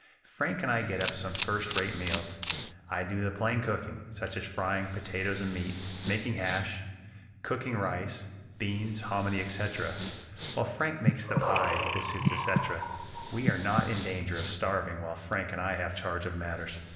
Frank and I get up some first rate meals. I do the plain cooking, such as frying potatoes and meat, making hash, cooking rice, beans, hominy, etc., while Frank makes the pies, biscuits, etc. We are not in danger of starving while Frank and I have charge of matters!